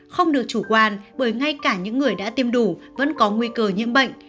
không được chủ quan bởi ngay cả những người đã tiêm đủ vẫn có nguy cơ nhiễm bệnh